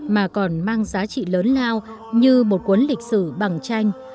mà còn mang giá trị lớn lao như một cuốn lịch sử bằng tranh